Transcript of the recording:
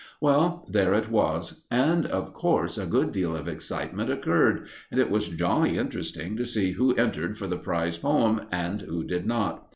Well, there it was; and, of course, a good deal of excitement occurred, and it was jolly interesting to see who entered for the prize poem and who did not.